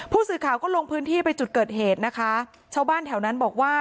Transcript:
ผู้สื่อข่าวก็ลงพื้นที่ไปจุดเกิดเหตุนะคะชาวบ้านแถวนั้นบอกว่า